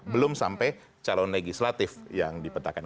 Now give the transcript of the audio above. belum sampai calon legislatif yang dipetakan